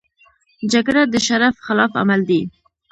جګړه د شرف خلاف عمل دی